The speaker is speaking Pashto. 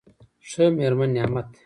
ښه مېرمن نعمت دی.